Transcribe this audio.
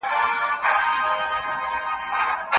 د جهاني غوندي د ورځي په رڼا درځمه